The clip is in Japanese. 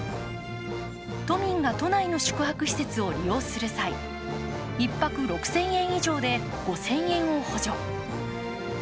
都民が都内の宿泊施設を利用する際、１泊６０００円以上で５０００円を補助。